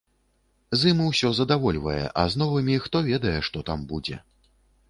З ім усё задавольвае, а з новымі, хто ведае, што там будзе.